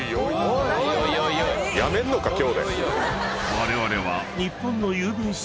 ［われわれは］